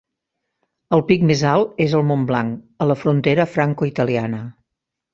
El pic més alt és el Mont Blanc, a la frontera franco-italiana.